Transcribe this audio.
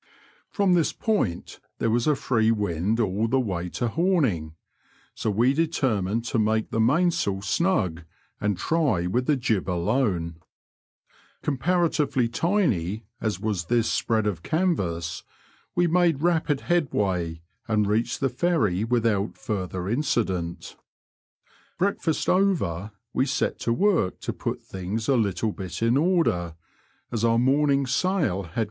From this point there was a free wind all the way to Homing ; so we determined to make the mainsail snug, and try with the jib alone. Comparatively tiny as was this spread Digitized by VjOOQIC 126 BBOADS AND BIVBBS OF NOBFOLK ABD SUFFOLK. of canyas, we made rapid headway, and reached the Ferry without further incident. Breakfast over, we set to work to put things a little bit in order, as our morning's sail had